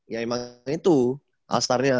ya emang itu all star nya